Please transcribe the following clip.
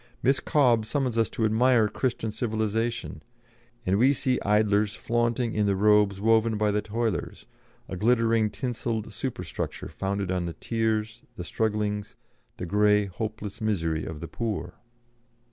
Miss Cobbe summons us to admire Christian civilisation, and we see idlers flaunting in the robes woven by the toilers, a glittering tinselled super structure founded on the tears, the strugglings, the grey, hopeless misery of the poor."